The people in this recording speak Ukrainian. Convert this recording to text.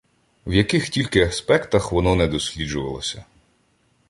В яких тільки аспектах воно не досліджувалося!